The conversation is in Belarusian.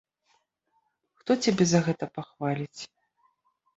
Хто цябе за гэта пахваліць?